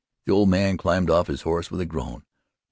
The old man climbed off his horse with a groan.